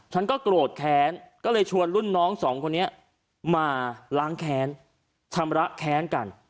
ฉันก็โกรธแค้นก็เลยชวนรุ่นน้องสองคนนี้มาล้างแค้นชำระแค้นกัน